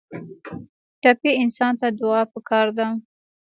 ټپي انسان ته دعا پکار ده.